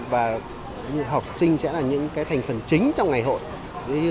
và học sinh sẽ là những thành phần chính trong ngày hội